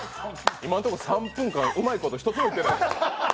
今のとこ、３分間うまいこと１つもいってないですよ